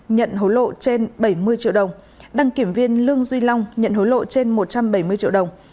nhận hối lộ trên bảy mươi triệu đồng đăng kiểm viên lương duy long nhận hối lộ trên một trăm bảy mươi triệu đồng